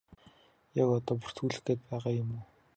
Яг одоо бүртгүүлэх гээд байгаа юм уу?